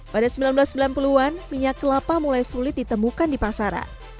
pada seribu sembilan ratus sembilan puluh an minyak kelapa mulai sulit ditemukan di pasaran